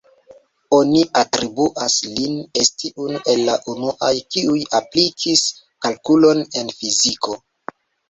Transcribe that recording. Oni atribuas lin esti unu el la unuaj kiuj aplikis kalkulon en fiziko.